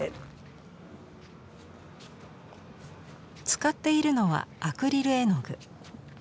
使っているのはアクリル絵の具。